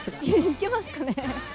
いけますかね？